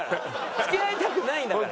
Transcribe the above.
付き合いたくないんだから。